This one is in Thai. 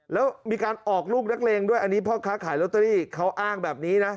แล้วมีการออกลูกนักเลงด้วยอันนี้พ่อค้าขายลอตเตอรี่เขาอ้างแบบนี้นะ